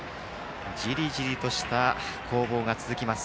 じりじりとした攻防が続きます。